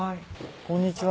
こんにちは。